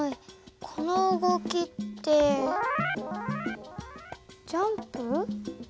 この動きってジャンプ？